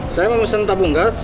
saya mau mesen tabung gas